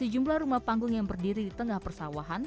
sejumlah rumah panggung yang berdiri di tengah persawahan